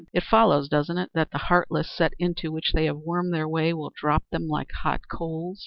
It follows, doesn't it, that the heartless set into which they have wormed their way will drop them like hot coals?"